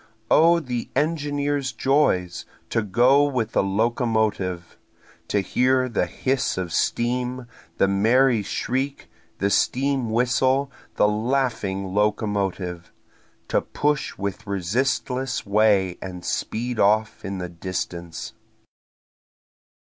O the engineer's joys! to go with a locomotive! To hear the hiss of steam, the merry shriek, the steam whistle, the laughing locomotive! To push with resistless way and speed off in the distance.